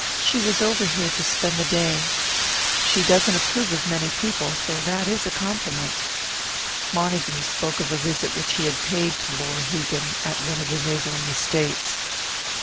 "She was over here to spend the day. She doesn't approve of many people, so that is a compliment." Montague spoke of a visit which he had paid to Laura Hegan, at one of the neighbouring estates.